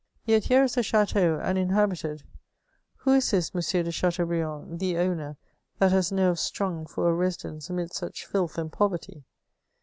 Yet here is a chatean, and inhabited ; who is this M. de Chateaubriand, the owner, that has nerves strung for a residence amidst such filth and poverty